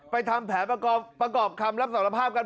ทำแผนประกอบคำรับสารภาพกัน